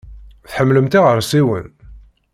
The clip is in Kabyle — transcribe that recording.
Tḥemmlemt iɣersiwen?